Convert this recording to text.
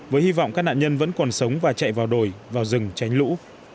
với hy vọng các nạn nhân vẫn còn sống và chạy vào đồi vào rừng tránh lũ